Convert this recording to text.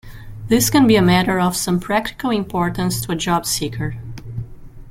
This can be a matter of some practical importance to a job-seeker.